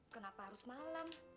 kenapa harus malam